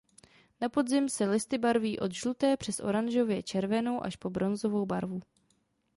Na podzim se listy barví od žluté přes oranžově červenou až po bronzovou barvu.